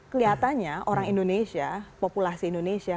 kelihatannya orang indonesia